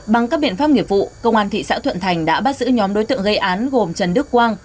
bằng các biện pháp nghiệp vụ công an thị xã thuận thành đã bắt giữ nhóm đối tượng gây án gồm trần đức quang